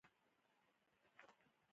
چین اقتصادي ثبات ته پام کوي.